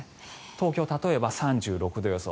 東京、例えば３６度予想。